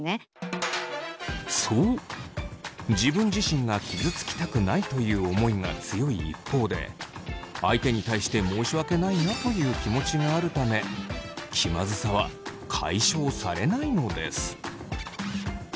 そう自分自身が傷つきたくないという思いが強い一方で相手に対して申し訳ないなという気持ちがあるため気まずさは解消されないのです。